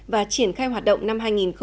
và triển khai hoạt động năm hai nghìn hai mươi